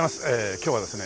今日はですね